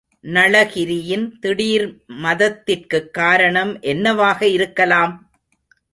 நளகிரியின் திடீர் மதத்திற்குக் காரணம் என்னவாக இருக்கலாம்?